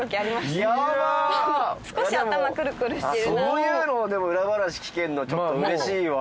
そういうのを裏話聞けんのちょっとうれしいわ。